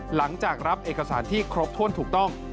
หลังจากรับเอกสารที่ครบถ้วนถูกต้อง